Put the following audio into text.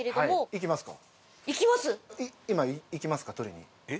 行きますか？